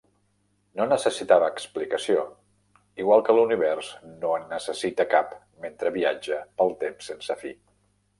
No necessitava explicació, igual que l'univers no en necessita cap mentre viatja pel temps sense fi.